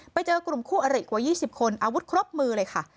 ไปเจอกลุ่มคู่อริกว่า๒๐คนอาวุธครบมือเลยค่ะ